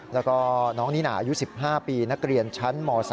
แล้วก็น้องนิน่าอายุ๑๕ปีนักเรียนชั้นม๓